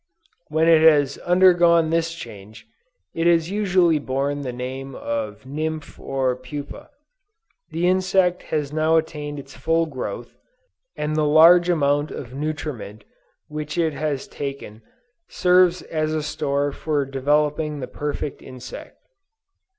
When it has undergone this change, it has usually borne the name of nymph or pupa. The insect has now attained its full growth, and the large amount of nutriment which it has taken serves as a store for developing the perfect insect."